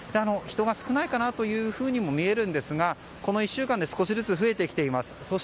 人が少ないかなというふうにも見えるんですがこの１週間で少しずつ増えてきています。